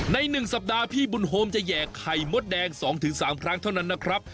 ใน๑สัปดาห์พี่บุญโฮมจะแยกไข่มดแดง๒๓ครั้งเท่านั้นนะครับ